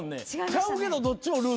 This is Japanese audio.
ちゃうけどどっちもルーさん。